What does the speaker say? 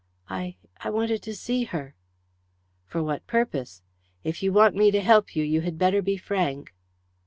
"I I wanted to see her." "For what purpose? If you want me to help you, you had better be frank."